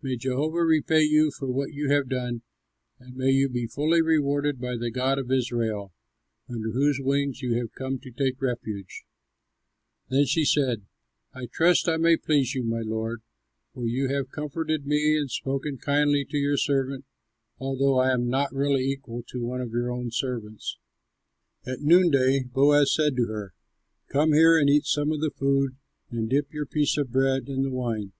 May Jehovah repay you for what you have done, and may you be fully rewarded by the God of Israel, under whose wings you have come to take refuge." Then she said, "I trust I may please you, my lord, for you have comforted me and spoken kindly to your servant, although I am not really equal to one of your own servants." At noonday Boaz said to her, "Come here and eat some of the food and dip your piece of bread in the wine."